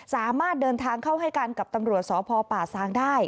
สามารถเดินทางเข้าให้กันกับตำรวจสพป่าซางได้